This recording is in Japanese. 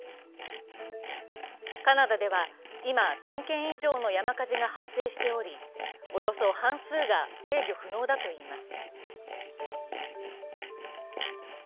カナダでは今１０００件以上の山火事が発生しており、およそ半数が制御不能だといいます。